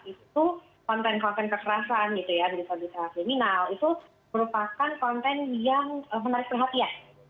itu konten konten kekerasan gitu ya bisa bisa kriminal itu merupakan konten yang menarik perhatian